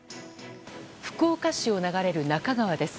福岡市を流れる那珂川です。